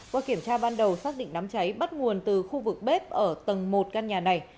qua kiểm tra ban đầu xác định đám cháy bắt nguồn từ khu vực bếp ở tầng một căn nhà này